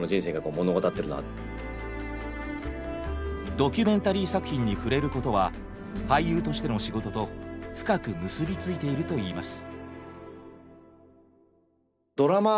ドキュメンタリー作品に触れることは俳優としての仕事と深く結びついているといいます。